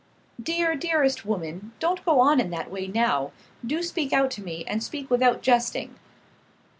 "Dear, dearest woman, don't go on in that way now. Do speak out to me, and speak without jesting."